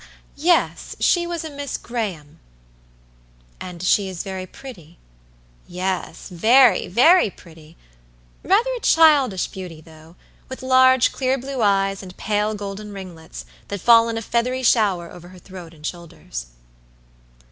"Yes; she was a Miss Graham." "And she is very pretty?" "Yes, very, very pretty. Rather a childish beauty though, with large, clear blue eyes, and pale golden ringlets, that fall in a feathery shower over her throat and shoulders."